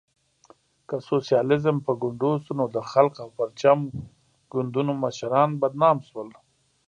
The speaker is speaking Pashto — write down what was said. که سوسیالیزم په ګونډو شو، نو د خلق او پرچم ګوندونو مشران بدنام شول.